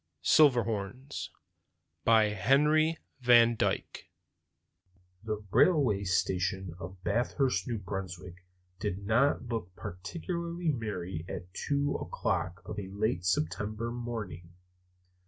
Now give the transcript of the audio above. Silverhorns By Henry van Dyke THE railway station of Bathurst, New Brunswick, did not look particularly merry at two o'clock of a late September morning.